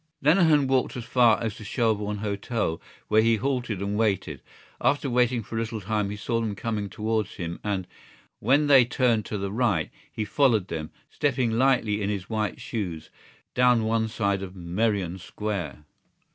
Lenehan walked as far as the Shelbourne Hotel where he halted and waited. After waiting for a little time he saw them coming towards him and, when they turned to the right, he followed them, stepping lightly in his white shoes, down one side of Merrion Square.